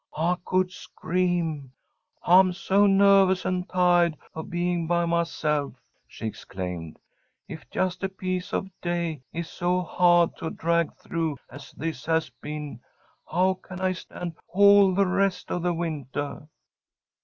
"I could scream, I'm so nervous and ti'ahed of being by myself," she exclaimed. "If just a piece of a day is so hah'd to drag through as this has been, how can I stand all the rest of the wintah?"